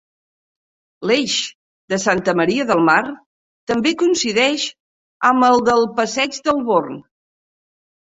L'eix de Santa Maria del Mar també coincideix amb el del passeig del Born.